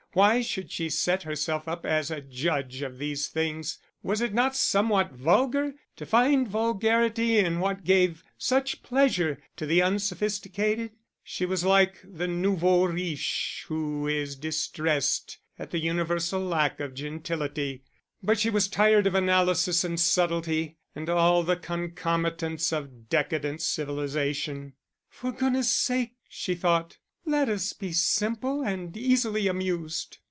Why should she set herself up as a judge of these things? Was it not somewhat vulgar to find vulgarity in what gave such pleasure to the unsophisticated? She was like the nouveau riche who is distressed at the universal lack of gentility; but she was tired of analysis and subtlety, and all the concomitants of decadent civilisation. "For goodness's sake," she thought, "let us be simple and easily amused."